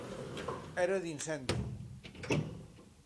Era de incendio.